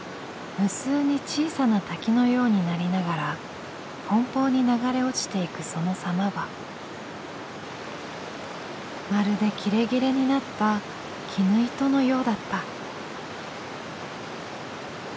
「無数に小さな滝のようになりながら奔放に流れ落ちていくその様はまるで切れ切れになった絹糸のようだった」。